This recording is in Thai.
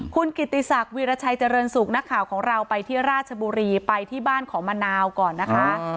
คุณกิติศักดิราชัยเจริญสุขนักข่าวของเราไปที่ราชบุรีไปที่บ้านของมะนาวก่อนนะคะ